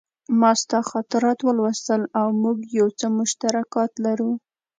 ما ستا خاطرات ولوستل او موږ یو څه مشترکات لرو